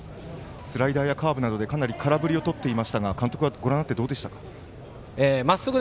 スライダーやカーブなどでかなり空振りをとっていましたが監督はご覧になってどうでしたか？